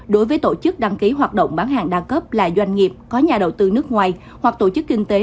đối với tổ chức đăng ký hoạt động bán hàng đa cấp là doanh nghiệp có nhà đầu tư nước ngoài hoặc tổ chức kinh tế